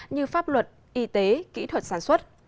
như pháp luật y tế kỹ thuật sản xuất